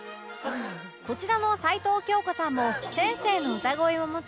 こちらの齊藤京子さんも天性の歌声を持ち